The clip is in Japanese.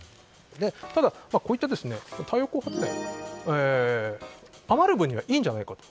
ただ、こういった太陽光発電余る分にはいいんじゃないかと。